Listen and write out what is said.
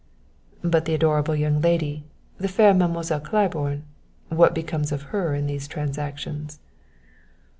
"But the adorable young lady, the fair Mademoiselle Claiborne, what becomes of her in these transactions?"